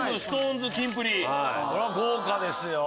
豪華ですよ！